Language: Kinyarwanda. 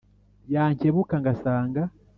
Yankebuka ngasanga